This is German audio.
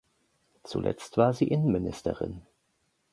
Zuletzt war sie Innenministerin.